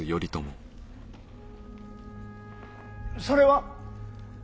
それは？